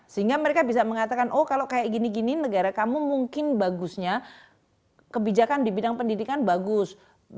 sehingga mereka bisa mengatakan oh kalau kayak gini gini negara kamu mungkin bagusnya kebijakan di bidang pendidikan bagus